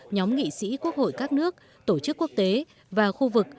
nhóm nghị sĩ quốc hội các nước tổ chức quốc tế và khu vực